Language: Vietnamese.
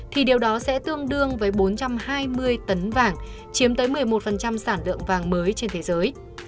thì điều đó sẽ tương đương với bốn trăm hai mươi tấn vàng chiếm tới một mươi một sản lượng vàng mới trên thế giới